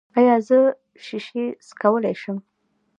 ایا زه شیشې څکولی شم؟